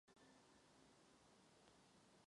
Stane se muzeem tak jako tak.